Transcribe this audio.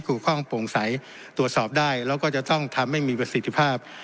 ข้องโปร่งใสตรวจสอบได้แล้วก็จะต้องทำให้มีประสิทธิภาพ